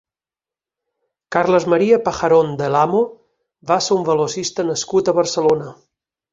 Carles Maria Pajarón del Amo va ser un velocista nascut a Barcelona.